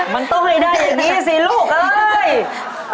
มันต้องให้ได้อย่างนี้สิลูกเอ้ย